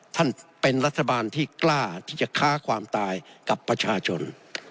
ท่านเป็นรัฐบาลที่กล้าที่จะฆ่าความตายกับประชาชน